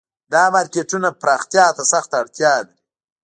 دا مارکیټونه پراختیا ته سخته اړتیا لري